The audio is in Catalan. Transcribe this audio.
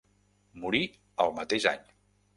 Morí al mateix any.